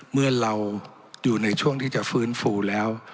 เมื่อเราอยู่ในช่วงที่จะฟื้นฟูแล้ว